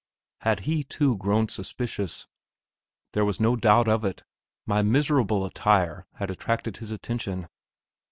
Had he, too, grown suspicious? There was no doubt of it; my miserable attire had attracted his attention.